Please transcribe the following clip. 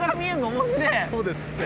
そうですね。